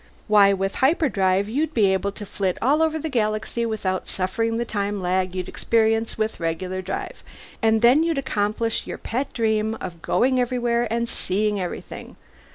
"Why, with hyperspace drive you'd be able to flit all over the galaxy without suffering the time lag you experience with regular drive. And then you'd accomplish your pet dream of going everywhere and seeing everything.